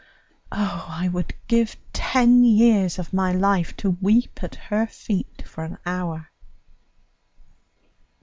Oh, I would give ten years of my life to weep at her feet for an hour!"